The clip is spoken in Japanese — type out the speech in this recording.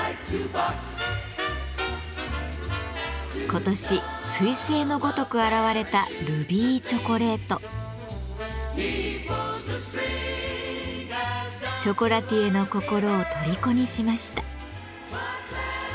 今年すい星のごとく現れたショコラティエの心をとりこにしました。